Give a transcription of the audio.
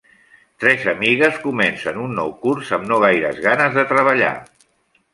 Tres amigues comencen un nou curs amb no gaires ganes de treballar.